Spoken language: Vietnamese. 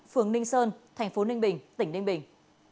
phường ninh sơn thành phố ninh bình tỉnh ninh bình